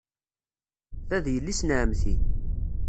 Ta d yelli-s n ɛemmti.